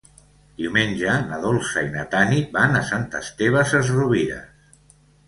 Diumenge na Dolça i na Tanit van a Sant Esteve Sesrovires.